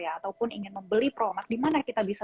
ataupun ingin membeli peromah di mana kita bisa